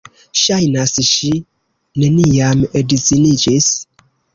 Ŝajnas, ŝi neniam edziniĝis.